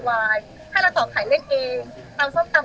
ให้เราต่อขายเล่นเองซ้ำเอง